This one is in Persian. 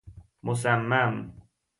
مصمم